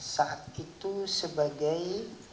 saat itu sebagai